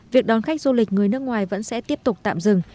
việc đón khách du lịch người nước ngoài vẫn sẽ tiếp tục tạm dừng